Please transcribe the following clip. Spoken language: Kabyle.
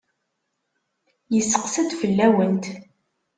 Yesseqsa-d fell-awent.